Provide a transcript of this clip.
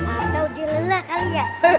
atau di lelah kali ya